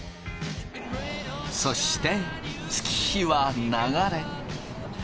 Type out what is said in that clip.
そして月日は流れ。